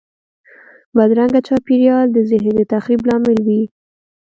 بدرنګه چاپېریال د ذهن د تخریب لامل وي